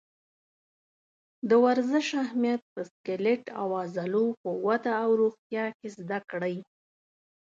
د ورزش اهمیت په سکلیټ او عضلو په وده او روغتیا کې زده کړئ.